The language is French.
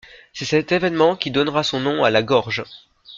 C'est cet événement qui donnera son nom à la Gorge.